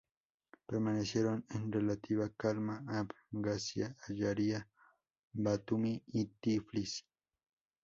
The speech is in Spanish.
Permanecieron en relativa calma Abjasia, Ayaria, Batumi y Tiflis.